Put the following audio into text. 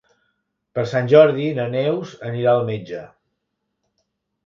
Per Sant Jordi na Neus anirà al metge.